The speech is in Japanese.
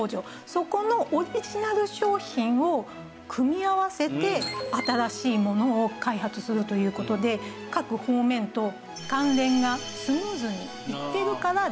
そこのオリジナル商品を組み合わせて新しいものを開発するという事で各方面と関連がスムーズにいってるからできる事で。